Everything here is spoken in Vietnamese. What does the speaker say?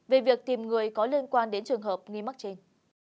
về việc tìm người có liên quan đến trường hợp nghi mắc trên